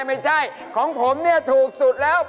ไม่ใช่ของผมถูกสุดแล้ว